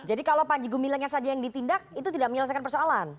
jadi kalau pak jiko milangnya saja yang ditindak itu tidak menyelesaikan persoalan